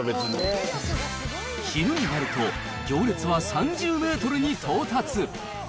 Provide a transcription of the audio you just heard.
昼になると、行列は３０メートルに到達。